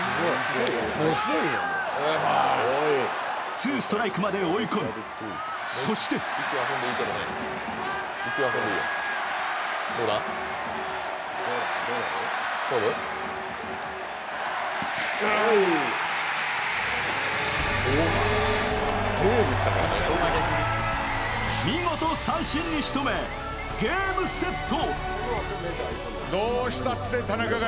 ツーストライクまで追い込みそして見事三振に仕留め、ゲームセット。